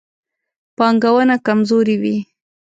پانګونه کمزورې وي.